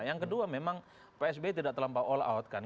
yang kedua memang psb tidak terlampau all out kan